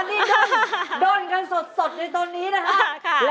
นี่โดนกันสดในตรงนี้นะคะ